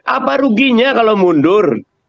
apa ruginya kalau mundur